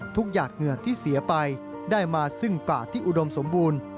หยาดเหงื่อที่เสียไปได้มาซึ่งป่าที่อุดมสมบูรณ์